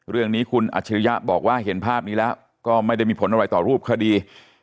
เรื่องนี้คุณอัจฉริยะบอกว่าเห็นภาพนี้แล้วก็ไม่ได้มีผลอะไรต่อรูปคดี